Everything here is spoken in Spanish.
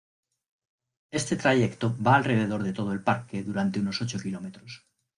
Este trayecto va alrededor de todo el parque durante unos ocho kilómetros.